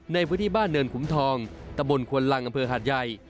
ในพื้นที่บ้านเนินขุมทองตะบนควนลังอำเภอหาดใหญ่